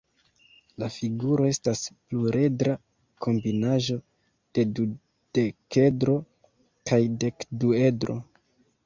La figuro estas pluredra kombinaĵo de dudekedro kaj dekduedro.